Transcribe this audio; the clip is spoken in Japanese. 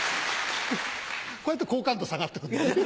こうやって好感度下がっていくんだね。